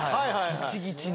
ギチギチの。